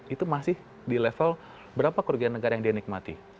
itu masih di level berapa kerugian negara yang dinikmati